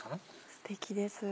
ステキです。